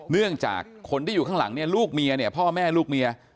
เนื่องจากคนที่อยู่ข้างหลังเนี่ยลูกเมียเนี่ยพ่อแม่ลูกเมีย